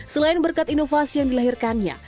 selain berkat inovasi yang dilahirkannya